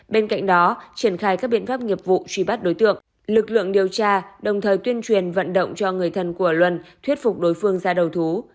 bên cạnh đó triển khai các biện pháp nghiệp vụ truy bắt đối tượng lực lượng điều tra đồng thời tuyên truyền vận động cho người thân của luân thuyết phục đối phương ra đầu thú